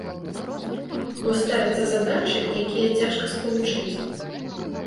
Бо ставяцца задачы, якія цяжка спалучыць.